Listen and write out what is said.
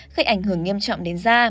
gây ảnh hưởng nghiêm trọng đến da